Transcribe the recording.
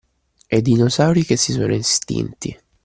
E i dinosauri che si sono estinti.